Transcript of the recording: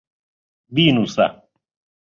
بینووسە.